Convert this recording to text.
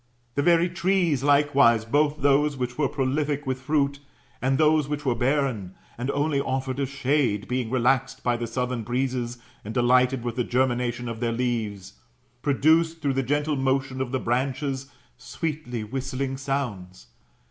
The very trees, likewise, both those which were prolific with fruit, and those which were barren, and only aiSbrded a shade, being relaxed by the southern breezes, and delighted with the germination of their leaves, produced through the gentle motion of the branches, sweetly whistling sounds.